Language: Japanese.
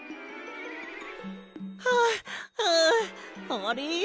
はあはああれ？